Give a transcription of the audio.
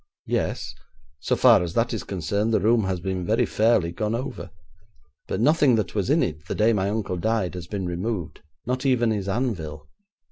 'Yes; so far as that is concerned, the room has been very fairly gone over, but nothing that was in it the day my uncle died has been removed, not even his anvil.'